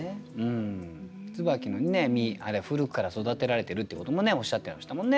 椿の実あれ古くから育てられてるっていうこともおっしゃってましたもんね。